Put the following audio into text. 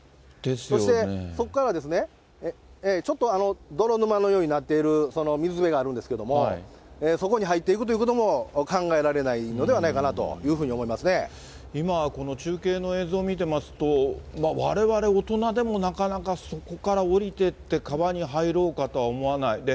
そしてそこからですね、ちょっと、泥沼のようになっている水辺があるんですけれども、そこに入っていくということも考えられないのではないかなという今、中継の映像を見てますと、われわれ大人でもなかなかそこから下りてって、川に入ろうかとは思わない。